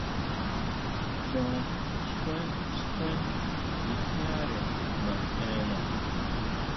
Chon xkuen, xkuen nguijñare naʼena.